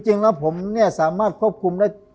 จริงแล้วผมเนี่ยสามารถควบคุมได้